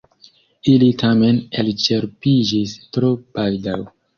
Ili tamen elĉerpiĝis tro baldaŭ.